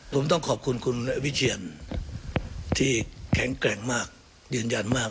ผมต้องขอบคุณคุณวิเชียนที่แข็งแกร่งมากยืนยันมาก